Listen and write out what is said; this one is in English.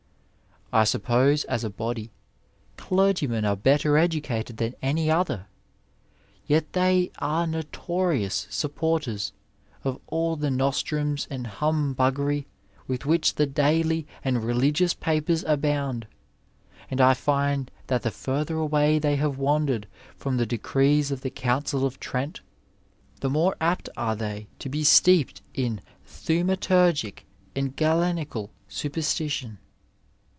I suppose as a body, clergymen are better educated than any other, yet they are notorious supporters of all the nostrums and humbuggery with which the daily and religious papers abound, and I find that the further away they have wan dered from the decrees of the Council of Trent, the more apt are they to be steeped in thaumaturgic and Galenical superstition.